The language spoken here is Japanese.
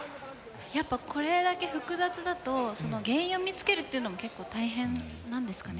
やっぱこれだけ複雑だとその原因を見つけるっていうのも結構大変なんですかね？